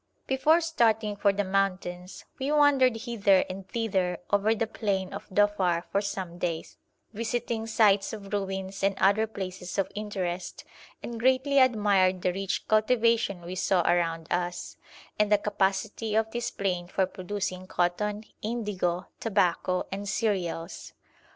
Before starting for the mountains we wandered hither and thither over the plain of Dhofar for some days, visiting sites of ruins, and other places of interest, and greatly admired the rich cultivation we saw around us, and the capacity of this plain for producing cotton, indigo, tobacco, and cereals.